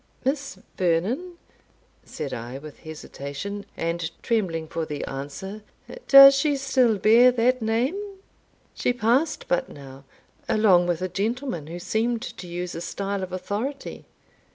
"Miss Vernon?" said I, with hesitation, and trembling for the answer "Does she still bear that name? She passed but now, along with a gentleman who seemed to use a style of authority."